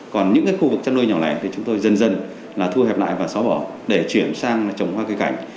còn những cái khu vực trăn nuôi nhỏ này thì chúng tôi dần dần là thu hẹp lại và xóa bỏ để chuyển sang trồng hoa cây cảnh